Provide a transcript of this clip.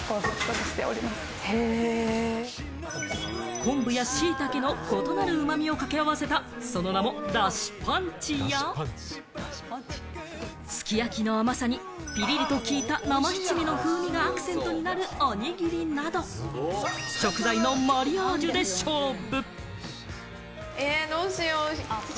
昆布やしいたけの異なる旨味を掛け合わせたその名も、出汁パンチ×３やすき焼きの甘さにピリリと効いた生七味の風味がアクセントになるおにぎりなど、食材のマリアージュで勝負。